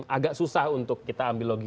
agak susah untuk kita ambil logis